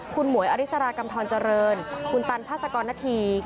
คุณหมวยอฤษฐากำธรจริงคุณตันพาสกรณธีร์